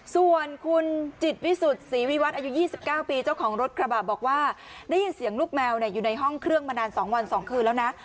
ส่วนคุณจิตวิสุทธิ์ศรีวิวัตรอายุ๒๙ปีเจ้าของรถกระบะบอกว่าได้ยินเสียงลูกแมวอยู่ในห้องเครื่องมานาน๒วัน๒คืนแล้วนะ